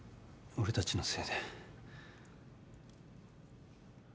俺たちのせいで。